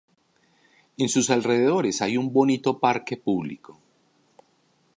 En sus alrededores hay un bonito parque público.